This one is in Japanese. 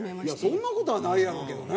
そんな事はないやろうけどね。